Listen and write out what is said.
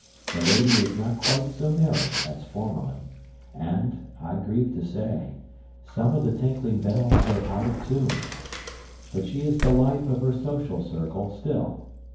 The lady is not quite so merry as formerly, and, I grieve to say, some of the tinkling bells are out of tune. But she is the life of her social circle, still.